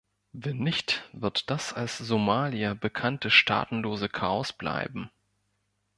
Wenn nicht, wird das als Somalia bekannte staatenlose Chaos bleiben.